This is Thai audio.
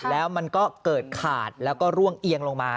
แล้วมันก็เกิดขาดแล้วก็ร่วงเอียงลงมา